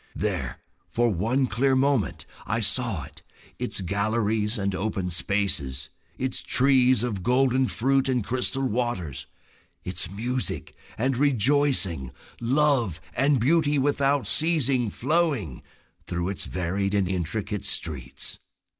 There for one clear moment I saw it; its galleries and open spaces, its trees of golden fruit and crystal waters, its music and rejoicing, love and beauty without ceasing flowing through its varied and intricate streets.